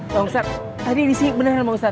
bang ustadz tadi disini beneran bang ustadz